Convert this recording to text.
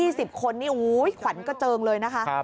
อีก๒๐คนนี้อุ๊ยขวันกระเจิงเลยนะคะ